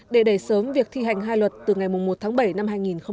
để đẩy sớm việc thi hành hai luật từ ngày một tháng bảy năm hai nghìn hai mươi